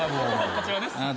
こちらです。